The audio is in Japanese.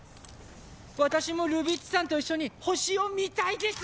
私もルビッチさんと一緒に星を見たいです